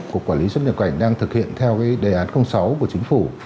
cục quản lý xuất nhập cảnh đang thực hiện theo đề án sáu của chính phủ